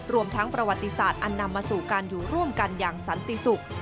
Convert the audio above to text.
รวมทั้งประวัติศาสตร์อันนำมาสู่การอยู่ร่วมกันอย่างสันติสุข